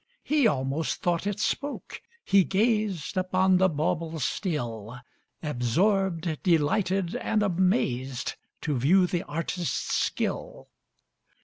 He almost thought it spoke: he gazed Upon the bauble still, Absorbed, delighted, and amazed, To view the artist's skill.